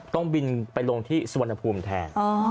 ต้องบินไปลงที่สุวรรณภูมิแทน